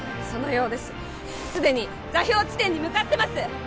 そのようです既に座標地点に向かってます